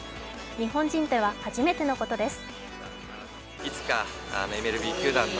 日本人では初めてのことです。